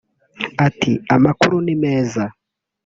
Ati “Amakuru ni meza